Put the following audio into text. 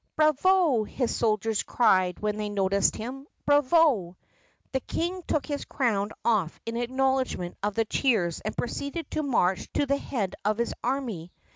"Bravo!" his soldiers cried when they noticed him. "Bravo!" The King took his crown off in acknowledgment of the cheers and proceeded to march to the head of his army.